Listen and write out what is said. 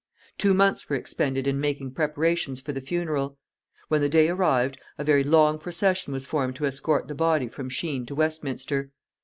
Two months were expended in making preparations for the funeral. When the day arrived, a very long procession was formed to escort the body from Shene to Westminster.